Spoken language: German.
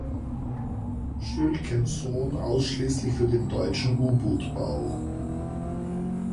Stülcken Sohn ausschließlich für den deutschen U-Bootbau.